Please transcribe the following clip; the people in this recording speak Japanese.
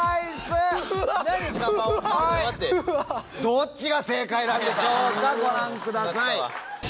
どっちが正解なんでしょうかご覧ください。